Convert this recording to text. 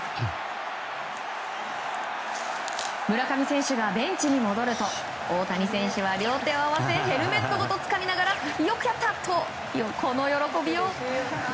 村上選手がベンチに戻ると大谷選手は両手を合わせヘルメットごとつかみながらよくやったと、この喜びよう。